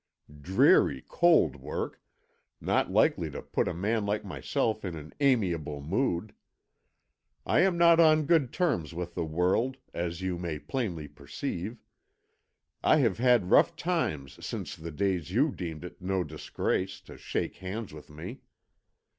Dreary cold work, not likely to put a man like myself in an amiable mood. I am not on good terms with the world, as you may plainly perceive. I have had rough times since the days you deemed it no disgrace to shake hands with me.